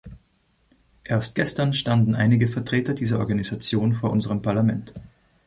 Erst gestern standen einige Vertreter dieser Organisation vor unserem Parlament.